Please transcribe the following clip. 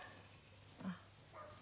あっ。